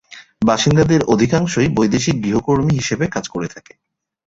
বাসিন্দাদের অধিকাংশই বৈদেশিক গৃহকর্মী হিসেবে কাজ করে থাকে।